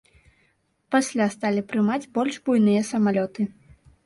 Пасля сталі прымаць больш буйныя самалёты.